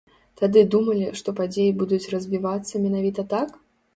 Тады думалі, што падзеі будуць развівацца менавіта так?